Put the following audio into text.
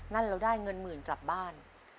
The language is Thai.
นั่นเราได้เงินหมื่นกลับบ้าน